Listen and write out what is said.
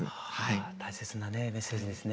大切なねメッセージですね。